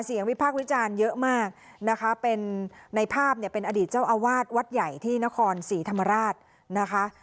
วิพากษ์วิจารณ์เยอะมากนะคะเป็นในภาพเนี่ยเป็นอดีตเจ้าอาวาสวัดใหญ่ที่นครศรีธรรมราชนะคะ